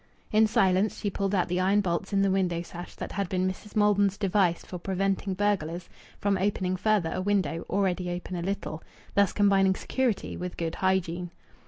In silence she pulled out the iron bolts in the window sash that had been Mrs. Maldon's device for preventing burglars from opening further a window already open a little, thus combining security with good hygiene.